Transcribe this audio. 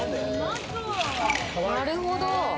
なるほど。